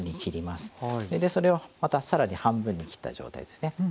それでそれをまた更に半分に切った状態ですね。